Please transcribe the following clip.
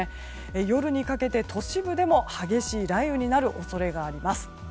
夜にかけて都市部でも激しい雷雨になる恐れがあります。